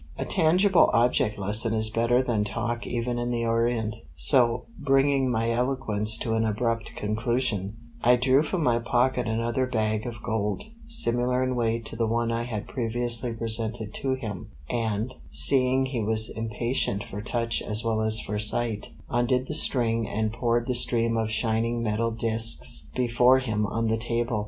A tangible object lesson is better than talk even in the Orient; so, bringing my eloquence to an abrupt conclusion, I drew from my pocket another bag of gold, similar in weight to the one I had previously presented to him, and, seeing he was impatient for touch as well as for sight, undid the string and poured the stream of shining metal discs before him on the table.